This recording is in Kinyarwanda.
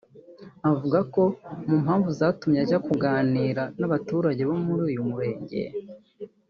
avuga ko mu mpamvu zatumye ajya kuganira n’abaturage bo muri uyu murenge